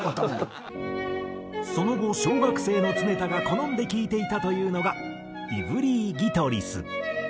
その後小学生の常田が好んで聴いていたというのがイヴリー・ギトリス。